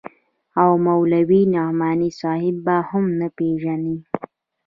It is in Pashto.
او مولوي نعماني صاحب به هم نه پېژنې.